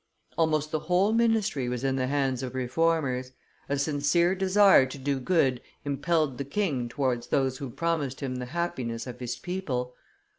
Almost the whole ministry was in the hands of reformers; a sincere desire to do good impelled the king towards those who promised him the happiness of his people.